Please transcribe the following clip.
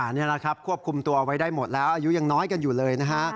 นี่แหละครับควบคุมตัวไว้ได้หมดแล้วอายุยังน้อยกันอยู่เลยนะฮะ